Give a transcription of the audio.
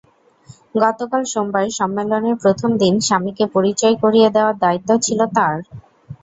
গতকাল সোমবার সম্মেলনের প্রথম দিন স্বামীকে পরিচয় করিয়ে দেওয়ার দায়িত্ব ছিল তাঁর।